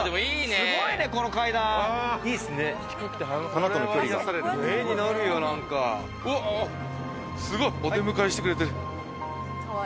すごい、お出迎えしてくれてる。